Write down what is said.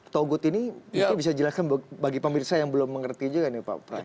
togut ini bisa dijelaskan bagi pemerintah yang belum mengerti juga pak praet